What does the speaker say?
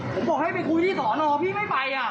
ผมบอกให้ไปคุยที่สอนอพี่ไม่ไป